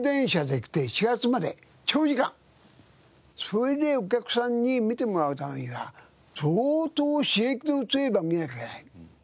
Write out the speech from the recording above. それでお客さんに見てもらうためには相当刺激の強い番組じゃなきゃいけない。